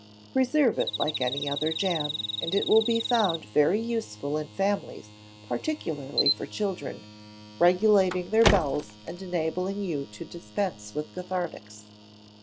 Preserve it like any other jam, and it will be found very useful in families, particularly for children, regulating their bowels, and enabling you to dispense with cathartics.